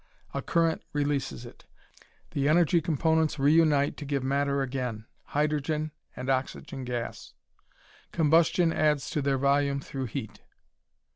A current releases it; the energy components reunite to give matter again hydrogen and oxygen gas. Combustion adds to their volume through heat.